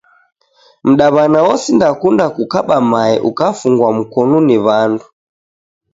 Mdawana osindakunda kukaba mae ukafungwa mkonu ni wandu